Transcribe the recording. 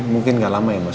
mungkin gak lama ya mas